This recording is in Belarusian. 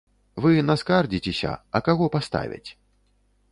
Вы наскардзіцеся, а каго паставяць?